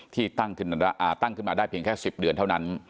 ที่ตั้งขึ้นมาได้เพียงแค่๑๐เดือนเท่านั้น